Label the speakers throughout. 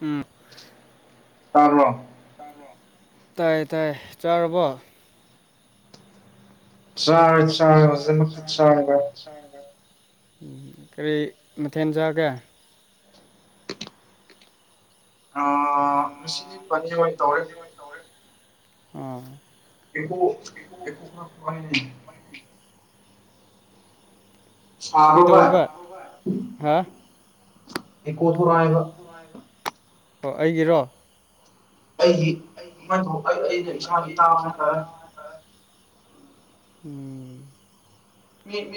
Speaker 1: ꯑꯝ
Speaker 2: ꯇꯥꯕꯔꯣ
Speaker 1: ꯇꯥꯏ ꯇꯥꯏ ꯆꯥꯔꯕꯣ
Speaker 2: ꯆꯥꯏ ꯆꯦ ꯍꯧꯖꯤꯛꯃꯛꯇ ꯆꯔꯦ ꯚꯥꯏ
Speaker 1: ꯎꯝ ꯀꯔꯤ ꯃꯊꯦꯟꯖꯒꯦ
Speaker 2: ꯑ ꯉꯁꯤꯗꯤ ꯄꯅꯤꯔꯑꯣꯏ ꯇꯧꯔꯤ
Speaker 1: ꯑꯣ
Speaker 2: [unintelligible] ꯁꯥ ꯕꯔꯣ ꯕꯥꯏ ꯏꯣꯊꯣ ꯔꯑꯕ
Speaker 1: ꯑꯣ ꯑꯩꯒꯤꯔꯣ
Speaker 2: ꯑꯩꯒꯤ ꯑꯩꯩꯅ ꯏꯁꯥꯒꯤ ꯇꯥꯕ ꯅꯠꯇ
Speaker 1: ꯎꯝ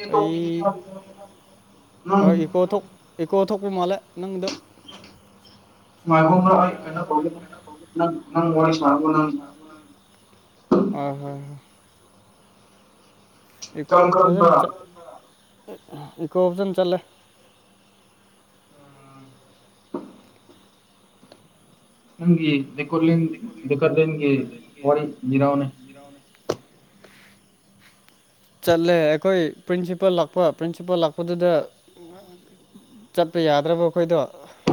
Speaker 1: ꯑꯩ ꯏꯀꯣ ꯏꯀꯣ ꯊꯣꯛꯄ ꯃꯥꯜꯂꯦ ꯅꯪꯒꯤꯗꯣ
Speaker 2: ꯎꯝ ꯉꯥꯏꯈꯣ ꯅꯪ ꯋꯥꯔꯤꯁꯥꯒ ꯅꯪ
Speaker 1: ꯑ ꯍꯣꯏ ꯏꯀꯣ ꯐꯖꯅ ꯆꯠ ꯏꯀꯣ ꯐꯖꯅ ꯆꯠꯂꯦ
Speaker 2: ꯅꯪꯒꯤ ꯗꯦꯀꯣꯔꯂꯦꯟꯒꯤ ꯋꯥꯔꯤ ꯂꯤꯔꯛꯑꯣꯅꯦ [unintelligible]
Speaker 1: ꯆꯠꯂꯦ ꯑꯩꯈꯣꯏ ꯄ꯭ꯔꯤꯟꯁꯤꯄꯥꯜ ꯂꯥꯛꯄ ꯄ꯭ꯔꯤꯟꯁꯤꯄꯥꯜ ꯂꯥꯛꯄꯗꯨꯗ ꯆꯠꯄ ꯌꯥꯗ꯭ꯔꯕ ꯑꯩꯈꯣꯏꯗꯣ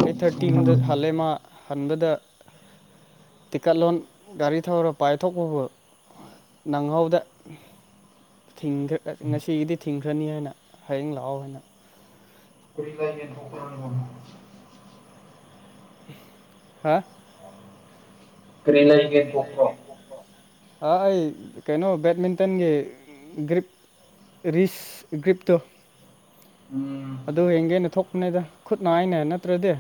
Speaker 1: ꯑꯩꯠ ꯊꯥꯔꯇꯤꯒꯨꯝꯗ ꯍꯜꯂꯦ ꯃꯥ ꯍꯟꯕꯗ ꯇꯤꯀꯠ ꯂꯣꯟ ꯒꯥꯔꯤ ꯊꯧꯔ ꯄꯥꯏꯊꯣꯛꯄꯕꯨ ꯅꯪꯍꯧꯗꯦ ꯊꯤꯡꯈꯔꯦ ꯉꯁꯤꯒꯤꯗꯤ ꯊꯤꯡꯈ꯭ꯔꯅꯤ ꯍꯥꯏꯅ ꯍꯌꯦꯡ ꯂꯥꯛꯑꯣ ꯍꯥꯏꯅ ꯍꯥ
Speaker 2: ꯀꯩ ꯂꯩꯒꯦ ꯊꯣꯛꯄꯔꯣ
Speaker 1: ꯑꯩ ꯀꯩꯅꯣ ꯕꯦꯠꯃꯤꯟꯇꯟꯒꯤ ꯒ꯭ꯔꯤꯞ ꯔꯤꯁ ꯒ꯭ꯔꯤꯞꯇꯣ ꯑꯗꯨ ꯌꯦꯡꯒꯦꯅ ꯊꯣꯛꯄꯅꯤꯗ ꯈꯨꯠꯅ ꯅꯥꯏꯅꯦ ꯅꯠꯇ꯭ꯔꯗꯤ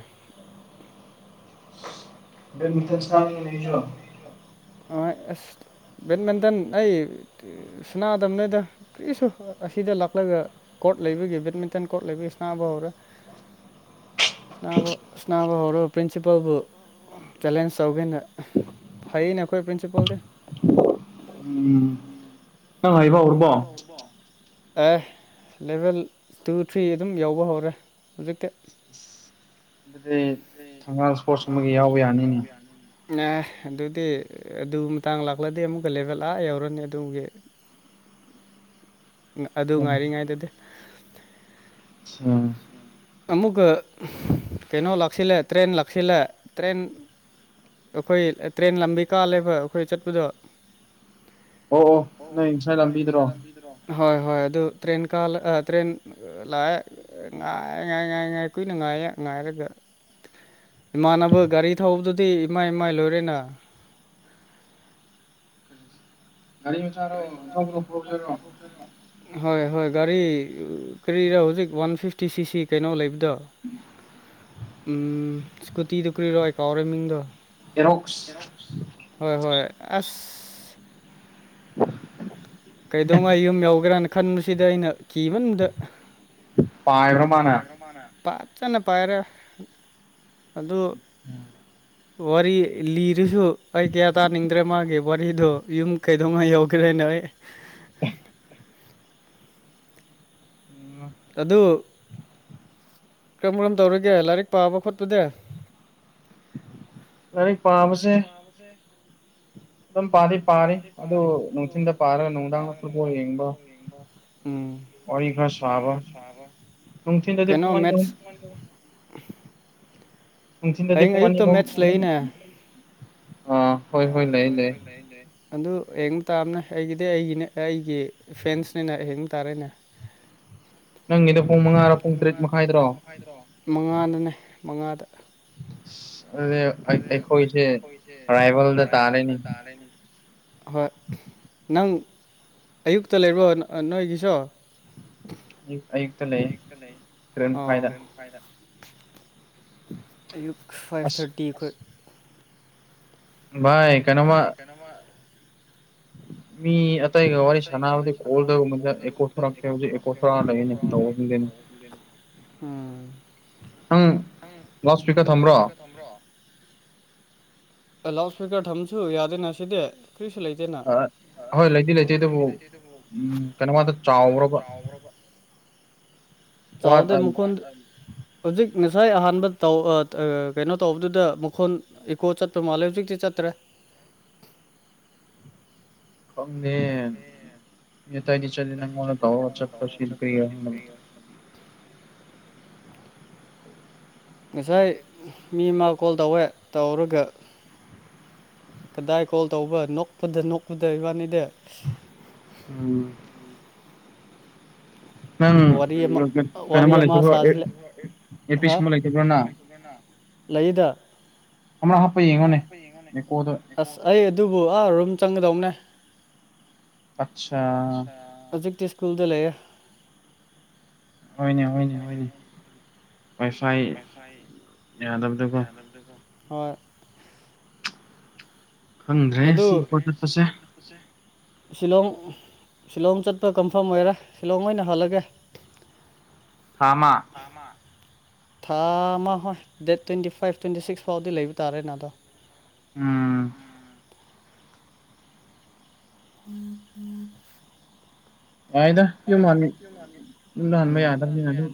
Speaker 2: [unintelligible] ꯀꯩ ꯃꯊꯦꯜ ꯆꯥꯕꯅꯣ ꯅꯣꯏꯁꯨ
Speaker 1: ꯑꯩ ꯑꯁ ꯕꯦꯠꯃꯤꯟꯇꯟ ꯑꯩ ꯁꯥꯅꯗꯝꯅꯤꯗ ꯀꯔꯤꯁꯨ ꯑꯁꯤ ꯁꯤꯗ ꯂꯥꯛꯂꯒ ꯀꯣꯔꯠ ꯂꯩꯕꯒꯤ ꯕꯦꯠꯃꯤꯟꯇꯟ ꯀꯣꯔꯠ ꯂꯩꯕꯒꯤ ꯁꯅꯥꯕ ꯍꯧꯔꯦ
Speaker 2: [unintelligible]
Speaker 1: ꯁꯥꯅꯕ ꯁꯥꯅꯕ ꯍꯧꯔ ꯄꯔꯤꯟꯁꯤꯄꯥꯜꯕꯨ ꯆꯦꯂꯦꯟꯁ ꯇꯧꯒꯦꯅ ꯐꯩꯅꯦ ꯑꯩꯈꯣꯏ ꯄ꯭ꯔꯤꯟꯁꯤꯄꯥꯜꯗꯤ
Speaker 2: ꯎꯝ ꯅꯪꯉꯥꯏꯕ ꯑꯣꯏꯔꯕꯣ
Speaker 1: ꯑꯦ ꯂꯦꯚꯦꯜ ꯇꯨ ꯊ꯭ꯔꯤ ꯑꯗꯨꯝ ꯌꯧꯕ ꯍꯧꯔꯦ ꯍꯧꯖꯤꯛꯇꯤ
Speaker 2: ꯑꯗꯨꯗꯤ ꯊꯪꯒꯥꯜ ꯏꯁꯄꯣꯔꯠꯁꯨꯝ ꯑꯃꯒꯤ ꯌꯥꯎꯕ ꯌꯥꯅꯤꯅꯦ
Speaker 1: ꯑꯦ ꯑꯗꯨꯗꯤ ꯑꯗꯨ ꯃꯇꯥꯡ ꯂꯥꯛꯂꯗꯤ ꯑꯃꯨꯛꯀ ꯂꯦꯚꯦꯜ ꯑꯥ ꯌꯧꯔꯅꯤ ꯑꯗꯨꯝꯒꯤ
Speaker 2: [unintelligible]
Speaker 1: ꯑꯗꯨ ꯉꯥꯏꯔꯤꯉꯥꯏꯗꯗꯤ
Speaker 2: ꯑꯆꯥ
Speaker 1: ꯑꯃꯨꯛꯀ ꯀꯩꯅꯣ ꯂꯥꯛꯁꯤꯜꯂꯦ ꯇ꯭ꯔꯦꯟ ꯂꯥꯛꯁꯤꯜꯂꯦ ꯇ꯭ꯔꯦꯟ ꯑꯩꯈꯣꯏ ꯇ꯭ꯔꯦꯟ ꯂꯝꯕꯤ ꯀꯥ ꯂꯩꯕ ꯑꯩꯈꯣꯏ ꯆꯠꯄꯗꯣ ꯑꯣ ꯍꯣꯏ ꯍꯣꯏ ꯑꯗꯨ ꯇ꯭ꯔꯦꯟ ꯀꯥꯔ ꯇ꯭ꯔꯦꯟ ꯂꯥꯛꯑꯦ ꯉꯥꯏ ꯉꯥꯏ ꯉꯥꯏ ꯉꯥꯏ ꯀꯨꯏꯅ ꯉꯥꯏꯌꯦ ꯉꯥꯏꯔꯒ ꯏꯃꯥꯟꯅꯕ ꯒꯥꯔꯤ ꯊꯧꯕꯗꯨꯗꯤ ꯏꯃꯥꯏ ꯏꯃꯥꯏ ꯂꯣꯏꯔꯦꯅ
Speaker 2: ꯀ
Speaker 1: ꯒꯥꯔꯤ ꯃꯆꯥꯔꯣ ꯑꯆꯧꯕꯔꯣ ꯍꯣꯏ ꯍꯣꯏ ꯒꯥꯔꯤ ꯀꯔꯤꯔ ꯍꯧꯖꯤꯛ ꯋꯥꯟ ꯐꯤꯐꯇꯤ ꯁꯤꯁꯤ ꯀꯩꯅꯣ ꯂꯩꯕꯗꯣ ꯎꯝ ꯁ꯭ꯀꯨꯇꯤꯗꯨ ꯀꯨꯏꯔꯣ ꯑꯩ ꯀꯥꯎꯔꯦ ꯃꯤꯡꯗꯣ ꯍꯣꯏ ꯍꯣꯏ ꯑꯁ ꯀꯩꯗꯧꯉꯥꯏ ꯌꯨꯝ ꯌꯧꯒꯦꯔꯅ ꯈꯟꯕꯁꯤꯗ ꯑꯩꯅ ꯀꯤꯕꯗ ꯄ ꯆꯅ ꯄꯥꯏꯔꯦ ꯑꯗꯨ
Speaker 2: ꯎꯝ
Speaker 1: ꯋꯥꯔꯤ ꯂꯤꯔꯁꯨ ꯑꯩ ꯀꯌꯥ ꯇꯥꯅꯤꯡꯗ꯭ꯔꯦ ꯃꯥꯒꯤ ꯋꯥꯔꯤꯗꯣ ꯌꯨꯝ ꯀꯩꯗꯧꯉꯩ ꯌꯧꯈ꯭ꯔꯦ ꯅꯣꯏ
Speaker 2: [unintelligible]
Speaker 1: ꯑꯗꯨ ꯀꯔꯝ ꯀꯔꯝ ꯇꯧꯔꯤꯒꯦ ꯂꯥꯏꯔꯤꯛ ꯄꯥꯕ ꯈꯣꯠꯄꯗ
Speaker 2: ꯂꯥꯢꯔꯤꯛ ꯄꯥꯝꯕꯁꯦ
Speaker 1: ꯁꯝ ꯄꯥꯔꯤ ꯐꯥꯔꯤ ꯑꯗꯨ ꯅꯨꯡꯊꯤꯜꯗ ꯐꯥꯔꯒ ꯅꯨꯡꯗꯥꯡꯐꯥꯎ ꯌꯦꯡꯕ
Speaker 2: ꯋꯥꯔꯤ ꯈ ꯁꯥꯕ ꯅꯨꯡꯊꯤꯟꯗꯗꯤ ꯄꯨꯡꯅꯤ ꯄꯨꯡ ꯆꯤꯟꯗꯗꯤ ꯄꯨꯡꯉꯅꯤꯃꯝ
Speaker 1: ꯑ ꯍꯣꯏ ꯍꯣꯏ ꯂꯩ ꯂꯩ ꯑꯗꯨ ꯌꯦ ꯇꯥꯝꯅ ꯑꯩꯒꯤꯗꯤ ꯑꯩꯒꯤꯅꯦ ꯑꯩꯒꯤ ꯐ꯭ꯔꯦꯟꯁꯅꯤꯅ ꯍꯌꯦꯡ ꯇꯥꯔꯦꯅꯦ ꯅꯪꯉꯗ ꯄꯉ ꯄꯨꯡ ꯇꯔꯦꯠꯃꯈꯥꯏꯗꯔꯣ ꯃꯉꯥꯗꯅꯦ ꯃꯉꯥꯗ
Speaker 2: [unintelligible]
Speaker 1: ꯑꯣꯏꯁꯦ ꯄꯔꯥꯏꯕꯗ ꯇꯥꯔꯦꯅꯤ ꯍꯣꯏ ꯅꯪ ꯑꯌꯨꯛꯇ ꯂꯩꯔꯣ ꯅꯣꯏꯒꯤꯁꯨ ꯑꯩꯛꯇ ꯂꯩ ꯐ ꯑꯌꯨꯛ ꯐꯥꯏꯚ ꯊꯥꯔꯇꯤ ꯑꯩꯈꯣꯏ
Speaker 2: ꯚꯥꯏ ꯀꯩꯅꯣꯃ
Speaker 1: ꯃꯤ ꯑꯇꯩꯒ ꯋꯥꯔꯤ ꯁꯥꯅꯕꯗꯤ [unintelligible] [unintelligible] ꯎꯝ
Speaker 2: ꯅꯪ ꯂꯁꯄꯤꯀꯔ ꯊꯝꯕ꯭ꯔꯣ
Speaker 1: ꯂꯥꯎꯠ ꯏꯁꯄꯤꯀꯔ ꯊꯝꯁꯨ ꯌꯥꯗꯦꯅ ꯁꯤꯗꯤ ꯀꯔꯤꯁꯨ ꯂꯩꯇꯦꯅ ꯑꯍꯣꯏ ꯂꯩꯇꯦ ꯂꯩꯇꯦ ꯑꯗꯨꯕꯨ ꯎꯝ ꯀꯩꯅꯣꯃꯗ ꯆꯥꯎꯕ꯭ꯔꯕ ꯆꯥꯎꯗ ꯃꯈꯣꯟ ꯍꯧꯖꯤꯛ ꯉꯁꯥꯏ ꯑꯍꯥꯟꯕ ꯇꯧ ꯀꯩꯅꯣ ꯇꯧꯕꯗꯨꯗ ꯃꯈꯣꯟ ꯏꯀꯣ ꯆꯠꯄ ꯃꯥꯜꯂꯦ ꯍꯧꯖꯤꯛꯇꯤ ꯆꯠꯇ꯭ꯔꯦ
Speaker 2: [unintelligible] ꯈꯗꯦ ꯅꯤ ꯆ ꯇꯧ ꯆꯄ
Speaker 1: ꯉꯁꯥꯏ ꯃꯤ ꯃꯥ ꯀꯣꯜ ꯇꯧꯋꯦ ꯇꯧꯔꯒ ꯀꯗꯥꯏ ꯀꯣꯜ ꯇꯧꯕ ꯅꯣꯛꯄꯗ ꯅꯣꯛꯄꯗ ꯏꯕꯥꯅꯤꯗ
Speaker 2: ꯎꯝ
Speaker 1: ꯋꯥꯔꯤ ꯑꯃ ꯑꯃ ꯋꯥꯔꯤ ꯑꯃꯃ ꯁꯥꯁꯤ ꯂꯩꯗ ꯑꯁ ꯑꯩ ꯑꯗꯨꯕꯨ ꯑꯥꯨꯝ ꯆꯪꯒꯗꯧꯅꯦ ꯍꯧꯖꯤꯛꯇ ꯁ꯭ꯀꯨꯜꯗ ꯂꯩ
Speaker 2: ꯍꯅꯦ ꯍꯅꯦ ꯍꯅꯦ ꯄꯩꯁꯥꯏ ꯌꯥꯗꯕꯗꯀꯣ
Speaker 1: ꯑꯣ ꯀ ꯑꯗꯨ ꯁꯤꯂꯣꯡ ꯁꯤꯂꯣꯡ ꯆꯠꯄ ꯀꯟꯐꯥꯝ ꯑꯣꯏꯔꯦ ꯁꯤꯂꯣꯡ ꯑꯣꯏꯅ ꯍꯜꯂꯒꯦ
Speaker 2: ꯊꯃ
Speaker 1: ꯊꯥ ꯑꯃ ꯍꯣꯏ date twenty five twenty six ꯐꯥꯎꯗꯤ ꯂꯩꯕ ꯇꯥꯔꯦꯅꯦ ꯑꯗꯣ
Speaker 2: ꯎꯝ
Speaker 1: ꯎꯝ ꯍꯝ ꯀꯥꯏꯗ ꯀ ꯃꯥꯅꯤ ꯌꯥ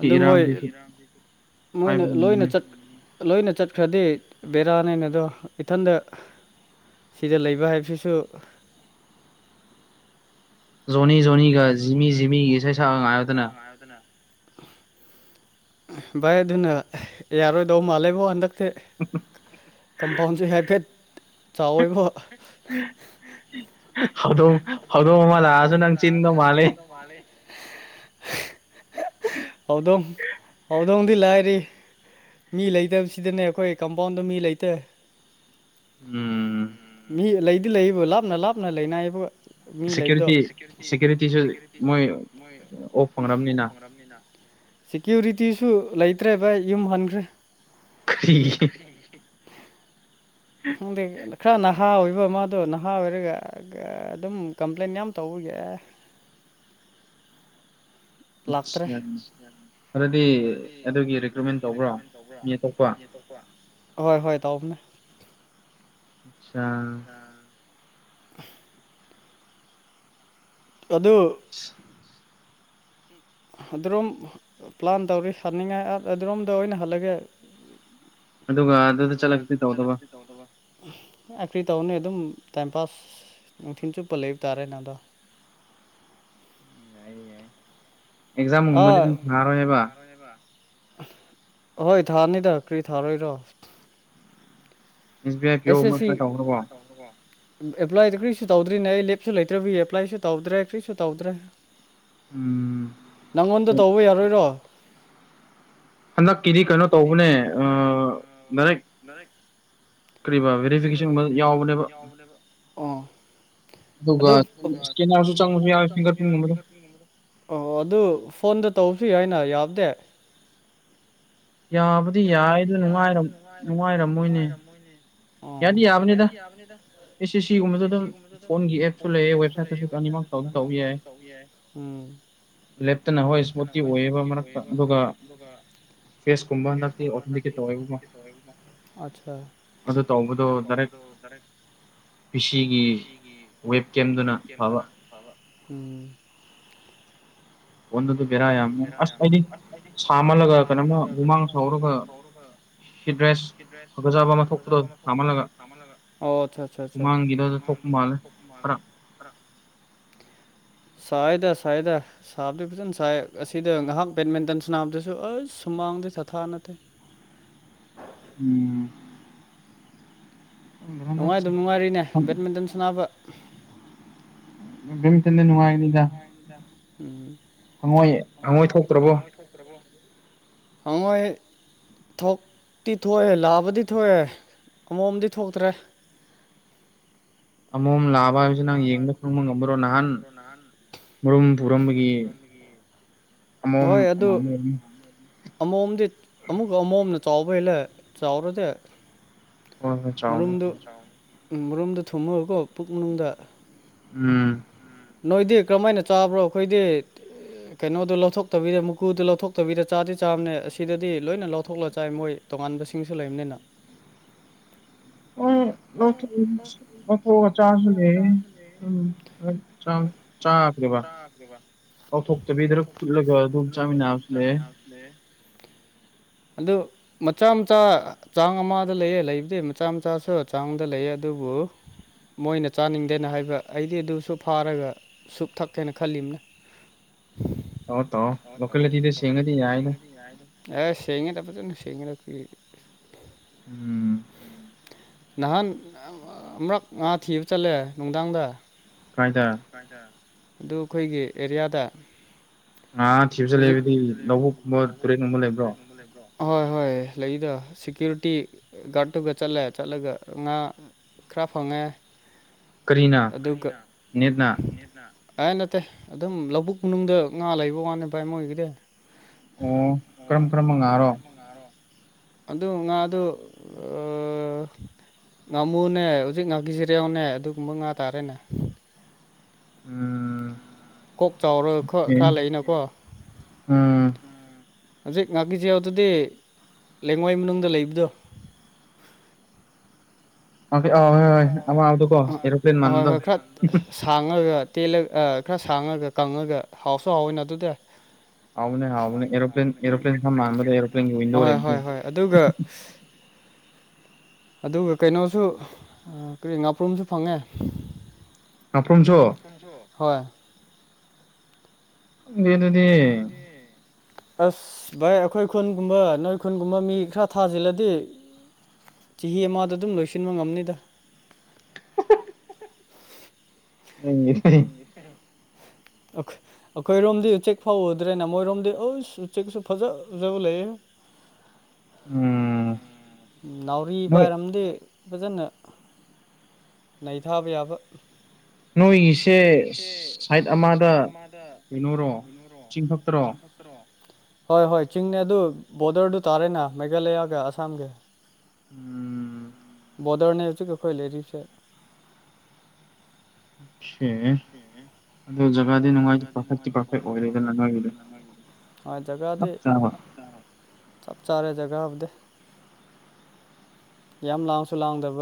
Speaker 1: ꯑꯗꯨ ꯃꯣꯏ ꯃꯣꯏꯅ ꯂꯣꯏꯅ ꯆꯠ ꯂꯣꯏꯅ ꯆꯠꯈ꯭ꯔꯗꯤ ꯕꯦꯔꯥꯅꯤꯅ ꯑꯗꯣ ꯏꯊꯟꯗ ꯁꯤꯗ ꯂꯩꯕ ꯍꯥꯏꯕꯁꯤꯁꯨ
Speaker 2: ꯖꯣꯅꯤ ꯖꯣꯅꯤꯒ ꯖꯤꯃꯤ ꯖꯤ
Speaker 1: ꯉꯗꯅ ꯚꯥꯏ ꯑꯗꯨꯅ ꯌꯥꯔꯣꯏꯗꯧ ꯃꯥꯜꯂꯦꯕꯣ ꯍꯟꯗꯛ ꯀꯝꯄꯥꯎꯟꯁ ꯍꯦꯕ ꯀꯠ ꯆꯥꯎꯋꯏꯕ
Speaker 2: ꯍꯧꯗ ꯍꯧꯥꯎꯗ ꯃꯃ ꯂꯁꯨ ꯅꯪ ꯆꯤꯤꯟ ꯅ ꯃꯥꯂ
Speaker 1: ꯑꯣꯗꯣꯡ ꯑꯣꯗꯣꯡꯗꯤ ꯂꯥꯏꯔꯤ ꯃꯤ ꯂꯩꯇꯕꯁꯤꯗꯅꯦ ꯑꯩꯈꯣꯏ ꯀꯝꯄꯥꯎꯟꯗ ꯃꯤ ꯂꯩꯇꯦ ꯃꯤ ꯂꯩꯗꯤ ꯂꯩꯕꯨ ꯂꯥꯞꯅ ꯂꯥꯞꯅ ꯂꯩꯅꯏꯕꯨ ꯃꯤ ꯂꯩꯕꯗꯣ ꯁꯦꯀ꯭ꯌꯨꯔꯤꯇꯤ ꯁꯦꯀ꯭ꯌꯨꯔꯤꯇꯤꯁꯨ ꯃꯣꯏ ꯑꯣꯛ ꯐꯪ꯭ꯔꯕꯅꯤꯅ ꯁꯦꯀ꯭ꯌꯨꯔꯤꯇꯤꯁꯨ ꯂꯩꯇ꯭ꯔꯦ ꯚꯥꯏ ꯌꯨꯝ ꯍꯟꯈ꯭ꯔꯦ ꯀ ꯍꯗ ꯈꯔ ꯅꯍꯥ ꯑꯣꯏꯕ ꯃꯥꯗꯣ ꯅꯍꯥ ꯑꯣꯏꯔꯒ ꯑꯗꯨꯝ ꯀꯝꯄ꯭ꯂꯦꯟ ꯌꯥꯝ ꯇꯧꯕꯒꯤ ꯑꯦ
Speaker 2: ꯑꯆꯥ
Speaker 1: ꯑꯗꯨꯗꯤ ꯑꯗꯨꯒꯤ ꯔꯤꯀ꯭ꯔꯨꯠꯃꯦꯟ ꯇꯧꯕ꯭ꯔꯣ ꯅꯦꯊꯣꯛꯄ ꯍꯣꯏ ꯍꯣꯏ ꯇꯧꯕꯅꯦ
Speaker 2: ꯑꯆꯥ
Speaker 1: [inaudible] ꯑꯗꯨ ꯑꯗꯨꯔꯣꯝ ꯄ꯭ꯂꯥꯟ ꯇꯧꯔꯤ ꯁꯥꯥꯟꯅꯤꯡꯉꯥꯏ ꯑꯗꯨꯔꯣꯝꯗ ꯑꯣꯏꯅ ꯍꯜꯂꯒꯦ
Speaker 2: ꯑꯗꯨꯒ ꯑꯗꯨꯗ ꯆꯠꯂꯒꯗꯤ ꯇꯧꯗꯕ
Speaker 1: ꯑꯦꯈ꯭ꯔꯤ ꯇꯧꯅꯤ ꯑꯗꯨꯝ ꯇꯥꯏꯝ ꯄꯥꯁ ꯅꯨꯡꯊꯤꯜ ꯆꯨꯞꯄ ꯂꯩꯕ ꯇꯥꯔꯦ ꯅꯪꯗꯣ
Speaker 2: ꯌꯥꯏ ꯑꯦꯛꯖꯥꯨꯝꯕꯗꯤ ꯊꯥꯔꯣꯏ ꯍꯥꯏꯕ
Speaker 1: ꯍꯣꯏ ꯊꯥꯅꯤꯗ ꯀꯔꯤ ꯊꯥꯔꯣꯏꯔꯣ
Speaker 2: ꯑꯦꯁ ꯕꯤ ꯑꯥꯏ ꯄꯤ ꯑꯣ ꯃ ꯇꯧꯈ꯭ꯔꯔꯕꯣ
Speaker 1: ꯑꯦꯄ꯭ꯂꯥꯏꯗ ꯀꯔꯤꯁꯨ ꯇꯧꯗ꯭ꯔꯤꯅꯦ ꯑꯩ ꯂꯦꯞꯁꯨ ꯂꯩꯇ꯭ꯔꯕꯤ ꯑꯦꯄ꯭ꯂꯥꯏꯁꯨ ꯇꯧꯗ꯭ꯔꯦ ꯀꯔꯤꯁꯨ ꯇꯧꯗ꯭ꯔꯦ ꯅꯪꯉꯣꯟꯗ ꯇꯧꯕ ꯌꯥꯔꯣꯏꯔꯣ ꯑ ꯅ ꯀꯦꯗꯤ ꯀꯅ ꯇꯕꯨꯅꯦ ꯑ ꯅꯔ ꯀꯦꯐꯤꯦ ꯌꯥꯎꯕ ꯑꯗꯨ ꯑꯣ ꯑꯗꯨ ꯐꯣꯟꯗ ꯇꯧꯁꯤ ꯍꯥꯏꯅ ꯌꯥꯗꯦ
Speaker 2: ꯌꯥꯕꯨꯗꯤ ꯌꯥꯏꯗ ꯅꯨꯡꯉꯥꯏ ꯅꯨꯡꯉꯥꯏꯔꯝꯃꯣꯏꯅꯦ ꯌꯥꯗꯤ ꯌꯥꯕꯅꯤꯗ ꯑꯦ ꯑꯦ ꯁꯤꯒꯨꯝꯕꯗ ꯑꯗꯨꯝ ꯐꯣꯟꯒꯤ ꯑꯦꯞꯁꯨ ꯂꯩꯌꯦꯦ ꯋꯦꯕꯁꯥꯏꯠꯇꯁꯨ ꯑꯅꯤꯃꯛ
Speaker 1: ꯀꯅꯤ ꯐꯔ ꯇꯧ ꯌꯥꯏ ꯂꯦꯞꯇꯅ ꯍꯣꯏ ꯄꯣꯠꯇꯤ ꯑꯣꯏꯕ ꯃꯔꯛꯇ ꯑꯗꯨꯒ [inaudible] ꯑꯗꯨꯗ ꯇꯗꯨ ꯗꯔꯦ
Speaker 2: ꯄꯤ ꯁꯤꯒꯤ ꯋꯦꯞ ꯀꯦꯝꯗꯨꯅ ꯐꯕ
Speaker 1: ꯎꯝ ꯑꯣꯟꯅꯁꯨꯛꯇꯔ ꯑꯁ ꯀꯗꯤ ꯐꯃꯂꯒ ꯀꯅꯦ ꯃꯥ ꯃꯥꯡ ꯁꯧꯔꯨ ꯑꯣ ꯏ ꯊꯄ ꯃꯥꯜꯔ
Speaker 2: [inaudible]
Speaker 1: ꯁꯏꯗ ꯁꯏꯗ ꯁꯥꯕꯗꯤ ꯄ ꯉꯁꯥꯏ ꯑꯁꯤꯗ ꯉꯥꯏꯍꯥꯛ ꯕꯦꯠꯃꯤꯟꯇꯟ ꯁꯥꯟꯅꯕꯗꯁꯨ ꯑꯁ ꯁꯨꯃꯥꯡꯗꯤ ꯁꯥꯊꯥ ꯅꯠꯇꯦ
Speaker 2: ꯎꯝ
Speaker 1: ꯅꯨꯡꯉꯥꯏꯗꯨ ꯅꯨꯡꯉꯥꯏꯔꯤꯅꯦ ꯕꯦꯠꯃꯤꯟꯇꯟ ꯁꯥꯟꯅꯕ
Speaker 2: ꯑꯗꯨꯝꯇꯦꯟ ꯅꯅꯨꯡꯉꯥꯏꯅꯤ
Speaker 1: ꯅꯨꯡꯉ ꯎꯝ
Speaker 2: ꯍꯪꯉꯣꯏ ꯍꯪꯉꯣꯏ ꯊꯣꯛꯇ꯭ꯔꯕꯣ
Speaker 1: ꯍꯣꯏ ꯊꯣꯛꯇꯤ ꯊꯣꯛꯑꯦ ꯂꯥꯑꯕꯗꯤ ꯊꯣꯛꯑꯦ ꯑꯃꯣꯝꯗꯤ ꯊꯣꯛꯇ꯭ꯔꯦ
Speaker 2: ꯑꯃꯣꯝ ꯂꯥꯛꯕ ꯍꯥꯏꯕꯁꯤ ꯅꯪ ꯌꯦꯡꯕ ꯈꯪꯕ ꯉꯝꯕ꯭ꯔꯣ ꯅꯍꯥꯟ ꯃꯔꯨꯝ ꯄꯨꯔꯝꯕꯒꯤ ꯑꯃꯣꯝ
Speaker 1: ꯑꯃꯣꯝꯗꯤ ꯑꯃꯨꯛꯀ ꯑꯃꯣꯝꯅ ꯆꯥꯎꯕ ꯍꯦꯜꯂꯦ ꯆꯥꯎꯔꯗꯤꯦ ꯃꯔꯨꯝꯗꯣ ꯃꯔꯨꯝꯝꯗꯣ ꯊꯨꯝꯃꯒꯀꯣ ꯄꯨꯛ ꯃꯅꯨꯡꯗ
Speaker 2: ꯎꯝ
Speaker 1: ꯅꯣꯏꯗꯤ ꯀꯔꯝꯍ ꯍꯥꯏꯅ ꯆꯥꯕ꯭ꯔꯣ ꯑꯩꯈꯣꯏꯗꯤ ꯀꯩꯅꯣꯗꯣ ꯂꯧꯊꯣꯛꯇꯕꯤꯗ ꯃꯨꯀꯨꯗꯨꯣ ꯂꯧꯊꯣꯛꯇꯕꯤꯗ ꯆꯥꯗꯤꯦ ꯆꯥꯕꯅꯦ ꯑꯁꯤꯗꯗꯤ ꯂꯣꯏꯅ ꯂꯧꯊꯣꯛꯂ ꯆꯥꯏ ꯃꯣꯏ ꯇꯣꯉꯥꯟꯕꯁꯤꯡꯁꯨ ꯂꯩꯕꯅꯤꯅ
Speaker 2: [unintelligible] ꯑꯣ ꯅꯊꯊ ꯆꯁꯨꯅꯦ ꯎꯝ ꯆ ꯆꯥꯗꯕ ꯑꯣꯥꯎꯊꯣꯛꯇꯕꯤꯗ ꯐꯨꯠꯂꯒ ꯑꯗꯨꯝ ꯆꯥꯃꯤꯟꯅꯁꯤ ꯂꯩ
Speaker 1: ꯑꯗꯨ ꯃꯆꯥ ꯃꯆꯥ ꯆꯥꯡ ꯑꯃꯗ ꯂꯩꯑ ꯂꯩꯕꯗꯤ ꯃꯆꯥ ꯃꯆꯥꯁꯨ ꯆꯥꯡꯗ ꯂꯩꯑ ꯑꯗꯨꯕꯨ ꯃꯣꯏꯅ ꯆꯥꯅꯤꯡꯗꯦꯅ ꯍꯥꯏꯕ ꯑꯩꯗꯤ ꯑꯗꯨꯁꯨ ꯐꯥꯔꯒ ꯁꯨꯞ ꯊꯛꯀꯦꯅ ꯈꯜꯂꯤꯝꯅ
Speaker 2: ꯑꯣ ꯇ ꯂꯀꯂ ꯊꯗ ꯁꯦꯡꯉꯗꯤ ꯌꯥꯏꯅꯦ
Speaker 1: ꯑꯦ ꯁꯦꯉ ꯇ ꯁꯦꯉꯔ
Speaker 2: ꯎꯝ
Speaker 1: ꯅꯍꯥꯟ ꯑꯃꯛ ꯉꯍꯥ ꯊꯤꯕ ꯆꯠꯂꯦ ꯅꯨꯡꯗꯥꯡꯗ ꯑꯗꯨ ꯑꯩꯈꯣꯏꯒꯤ ꯑꯦꯔꯤꯌꯥꯗ
Speaker 2: ꯑꯥ ꯊꯤꯕꯁꯨꯦ ꯂꯩꯕꯗꯤ ꯂꯧꯕꯨꯛꯀꯨꯝꯕ ꯇꯨꯔꯦꯟꯒꯨꯝꯕ ꯂꯩꯕ꯭ꯔꯣ
Speaker 1: ꯍꯣꯏ ꯍꯣꯏ ꯂꯩꯗ ꯁꯤꯦꯀ꯭ꯌꯨꯔꯤꯇꯤ ꯒꯥꯔꯗꯠꯇꯨꯒ ꯆꯠꯂꯦ ꯆꯠꯂꯒ ꯉꯥ ꯈꯔ ꯐꯪꯉꯦ ꯑꯗꯨꯒ
Speaker 2: ꯅꯤꯠꯅ
Speaker 1: ꯑꯩ ꯅꯠꯇꯦ ꯑꯗꯨꯝ ꯂꯧꯕꯨꯛꯅꯨꯡ ꯉꯥ ꯂꯩꯕ ꯋꯥꯅꯦ ꯚꯥꯏ ꯃꯣꯏꯒꯤꯗꯤ
Speaker 2: ꯑꯣ ꯀꯔꯝ ꯀꯔꯝꯕꯝꯕ ꯉꯥꯔꯣ
Speaker 1: ꯑꯗꯨ ꯉꯗꯨ ꯉꯥꯃꯨꯅꯦ ꯍꯧꯖꯤꯛ ꯉꯥꯒꯤꯖꯔꯥꯎꯅꯦ ꯑꯗꯨꯒꯨꯝꯕ ꯉꯥ ꯇꯥꯔꯦꯅꯦ
Speaker 2: ꯎꯝ
Speaker 1: ꯀꯣꯛ ꯆꯥꯎꯔꯒ ꯈꯔ ꯂꯩꯅꯀꯣ ꯍꯧꯖꯤꯛ ꯉꯥꯀꯤꯆꯥꯎ ꯑꯗꯨꯗꯤ ꯂꯩꯐꫭꯏ ꯃꯅꯨꯡꯗ ꯂꯩꯕꯗꯣ
Speaker 2: [unintelligible]
Speaker 1: ꯍꯣꯏ ꯍꯣꯏ ꯈꯔ ꯁꯥꯡꯉꯒ ꯇꯦꯜꯂꯒ ꯈꯔ ꯁꯥꯡꯉꯒ ꯀꯪꯉꯒ ꯍꯥꯎꯁꯨ ꯍꯥꯎꯋꯅ ꯑꯗꯨꯗ ꯍ ꯍꯣꯏ ꯍꯣꯏ ꯑꯗꯨꯒ ꯑꯗꯨꯒ ꯀꯩꯅꯣꯁꯨ ꯀꯔꯤ ꯉꯥꯄ꯭ꯔꯨꯝꯁꯨ ꯐꯪꯉꯦ
Speaker 2: ꯑꯄ꯭ꯔꯨꯝꯁꯨ
Speaker 1: ꯍꯣꯏ
Speaker 2: ꯑꯗꯨꯗꯤ
Speaker 1: ꯑꯁ ꯚꯥꯏ ꯑꯩꯈꯣꯏ ꯈꯨꯟꯒꯨꯝꯕ ꯅꯣꯏ ꯈꯨꯟꯒꯨꯝꯕ ꯃꯤ ꯈꯔ ꯊꯥꯖꯤꯜꯂꯗꯤ ꯆꯍꯤ ꯑꯃꯗ ꯑꯗꯨꯝ ꯂꯣꯏꯁꯤꯟꯕ ꯉꯝꯅꯤꯗ
Speaker 2: [unintelligible]
Speaker 1: ꯑ
Speaker 2: ꯎꯝ
Speaker 1: ꯑꯩꯈꯣꯏꯔꯣꯝꯗꯤ ꯎꯆꯦꯛ ꯐꯥꯎ ꯎꯗ꯭ꯔꯦꯅ ꯃꯣꯏꯔꯣꯝꯗꯤ ꯑꯩ ꯎꯆꯦꯛꯁꯨ ꯐꯖ ꯐꯥꯖꯕ ꯂꯩꯌꯦ
Speaker 2: ꯗ
Speaker 1: ꯅꯥꯎꯔꯤ ꯄꯥꯏꯔꯝꯗꯤ ꯐꯖꯅ ꯅꯩꯊꯥꯕꯥ ꯌꯥꯕ
Speaker 2: ꯅꯣꯏꯒꯤꯁꯦ ꯁꯥꯏꯠ ꯑꯃꯗ ꯀꯩꯅꯤꯔꯣ ꯆꯤꯡꯈꯛꯇ꯭ꯔꯣ
Speaker 1: ꯍꯣꯏ ꯍꯣꯏ ꯆꯤꯡꯅꯦ ꯑꯗꯨ ꯕꯣꯔꯗꯔꯗꯨ ꯇꯥꯔꯦꯅ ꯃꯦꯘꯥꯂꯌꯥꯒ ꯑꯁꯥꯝꯒꯤ
Speaker 2: ꯎꯝ
Speaker 1: ꯕꯗꯔꯅꯦ ꯍꯧꯖꯤꯛ ꯑꯩꯈꯣꯏ ꯂꯩꯔꯤꯁꯦ
Speaker 2: ꯄꯦ ꯑꯗꯨ ꯖꯒꯥꯗꯤ ꯅꯨꯡꯉꯥꯏꯇ ꯄꯔꯐꯦꯛꯇꯤ ꯄꯔꯐꯦꯛ ꯑꯣꯏꯔꯦꯗꯅ ꯅꯣꯏꯒꯤꯗ ꯆꯞ ꯆꯥꯕ ꯖ
Speaker 1: ꯆꯞ ꯆꯥꯔꯦ ꯖꯒꯥꯕꯨꯗꯤ ꯌꯥꯝ ꯂꯥꯡꯁꯨ ꯂꯥꯡꯗꯕ